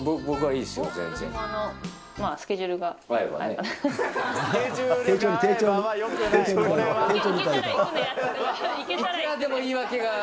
いくらでも言い訳が。